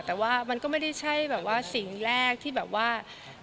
แต่ว่ามันก็ไม่ได้ใช่แบบว่าสิ่งแรกที่แบบว่า